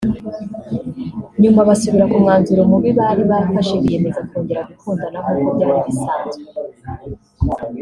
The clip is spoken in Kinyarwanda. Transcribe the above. nyuma basubira ku mwanzuro mubi bari bafashe biyemeza kongera gukundana nkuko byari bisanzwe